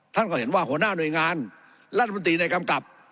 ท่านก็เห็นว่าหัวหน้าหน่วยงานรัฐมนตรีในกำกับ